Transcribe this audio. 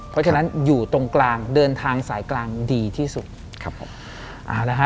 เพราะฉะนั้นอยู่ตรงกลางเดินทางสายกลางดีที่สุด